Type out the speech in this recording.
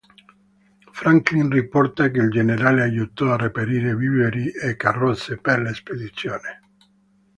Franklin riporta che il generale aiutò a reperire viveri e carrozze per la spedizione.